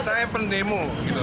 saya pen demo